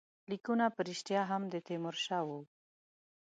لیکونه په ریشتیا هم د تیمورشاه وي.